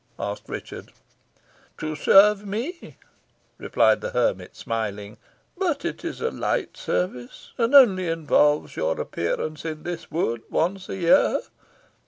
asked Richard. "To serve me," replied the hermit, smiling; "but it is a light service, and only involves your appearance in this wood once a year.